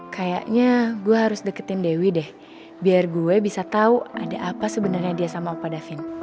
kayaknya gue harus deketin dewi deh biar gue bisa tau ada apa sebenarnya dia sama pada vin